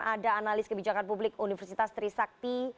ada analis kebijakan publik universitas trisakti